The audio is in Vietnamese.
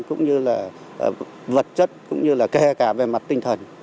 cũng như là vật chất cũng như là kể cả về mặt tinh thần